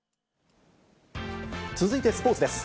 続いてスポーツです。